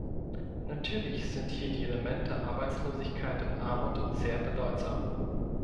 Natürlich sind hier die Elemente Arbeitslosigkeit und Armut sehr bedeutsam.